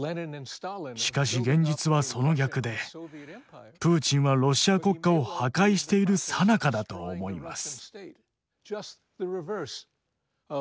しかし現実はその逆でプーチンはロシア国家を破壊しているさなかだと思います。